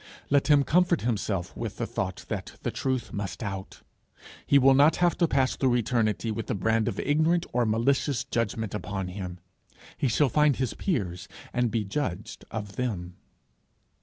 Let him comfort himself with the thought that the truth must out. He will not have to pass through eternity with the brand of ignorant or malicious judgment upon him. He shall find his peers and be judged of them.